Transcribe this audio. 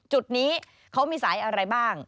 จุดนี้เขามีสายอะไรบ้าง